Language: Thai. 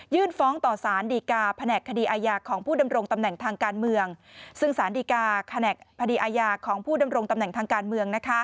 ยื่นฟ้องต่อสารดีกาผนักคดีอาญาของผู้เดิมรงตำแหน่งทางการเมือง